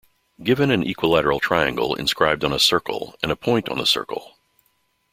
Given An equilateral triangle inscribed on a circle and a point on the circle.